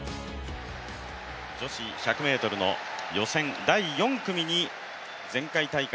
女子１００ｍの予選第４組に前回大会